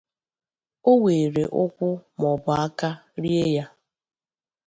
o were ụkwụ maọbụ aka rie ya.